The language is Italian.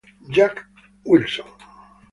Jack Wilson